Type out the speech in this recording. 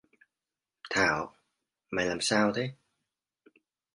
Thảo mày làm sao thế